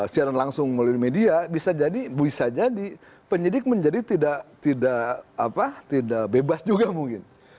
siaran langsung melalui media bisa jadi penyelidik menjadi tidak bebas juga mungkin